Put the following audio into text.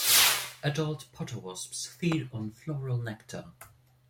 Adult potter wasps feed on floral nectar.